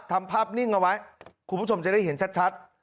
ทำภาพนิ่งเอาไว้คุณผู้ชมจะได้เห็นชัด